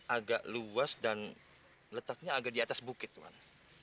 agak luas dan letaknya agak di atas bukit tuhan